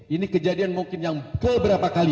ini kejadian mungkin yang keberapa kali